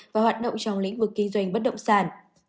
và hoạt động trong lĩnh vực kinh doanh bất động sản